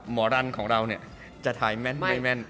หมอรันของเราเนี่ยจะถ่ายแม่น